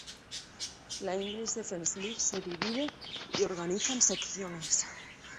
La English Defence League se divide y organiza en secciones.